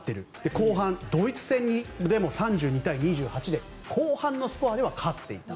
後半、ドイツ戦でも３２対２８で後半のスコアでは勝っていた。